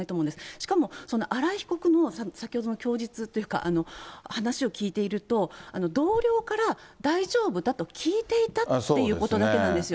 しかも荒井被告も、先ほどの供述というか、話を聞いていると、同僚から大丈夫だと聞いていたっていうことだけなんですよ。